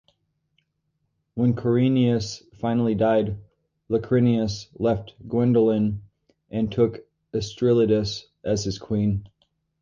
When Corineus finally died, Locrinus left Gwendolen and took Estrildis as his queen.